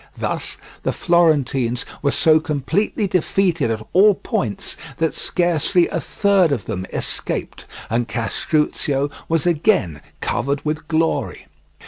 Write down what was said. Thus the Florentines were so completely defeated at all points that scarcely a third of them escaped, and Castruccio was again covered with glory.